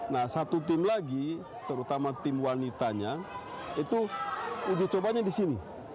nah satu tim lagi terutama tim wanitanya itu uji cobanya di sini